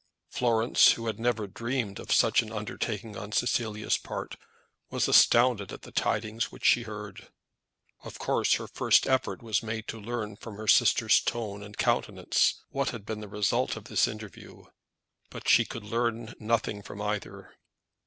Florence, who had never dreamed of such an undertaking on Cecilia's part, was astounded at the tidings which she heard. Of course her first effort was made to learn from her sister's tone and countenance what had been the result of this interview; but she could learn nothing from either.